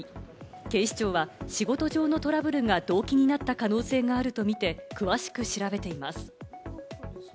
警視庁は仕事上のトラブルが動機になった可能性があるとみて詳しく調べています。